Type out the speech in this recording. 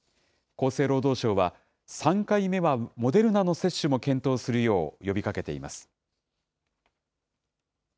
厚生労働省は、３回目はモデルナの接種も検討するよう呼びかけています。